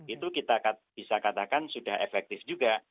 itu kita bisa katakan sudah efektif juga